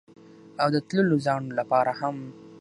او د تللو زاڼو لپاره هم